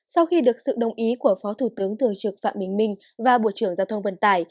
sau khi được sự đồng ý của phó thủ tướng thường trực phạm bình minh và bộ trưởng giao thông vận tải